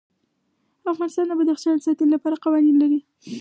افغانستان د بدخشان د ساتنې لپاره قوانین لري.